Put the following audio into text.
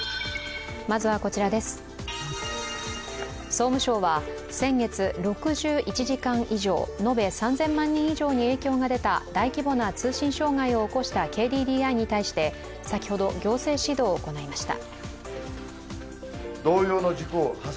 総務省は先月、６１時間以上延べ３０００万人以上に影響が出た大規模な通信障害を起こしたＫＤＤＩに対して先ほど行政指導を行いました。